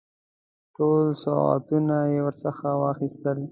ټول سوغاتونه یې ورڅخه واخیستل.